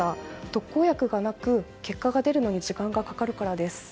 特効薬がなく結果が出るのに時間がかかるからです。